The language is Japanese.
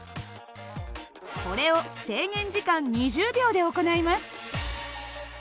これを制限時間２０秒で行います。